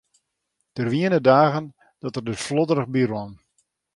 Der wiene dagen dat er der flodderich by rûn.